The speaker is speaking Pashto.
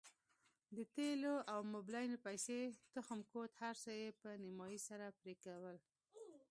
د تېلو او موبلينو پيسې تخم کود هرڅه يې په نيمايي سره پرې کول.